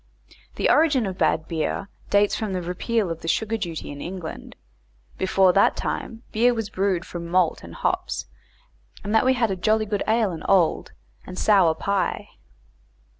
the origin of bad beer dates from the repeal of the sugar duty in England; before that time beer was brewed from malt and hops, and that we had "jolly good ale and old," and sour pie.